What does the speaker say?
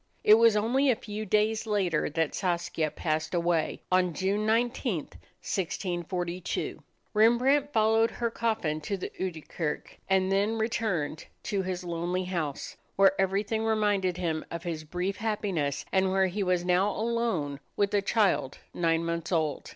It was only a few days later that Saskia passed away, on June 19, 1642. Rembrandt followed her coffin to the Oude Kerk and then returned to his lonely house, where everything reminded him of his brief happiness and where he was now alone with a child nine months old.